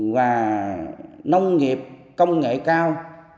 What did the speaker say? và nông nghiệp công nghệ cao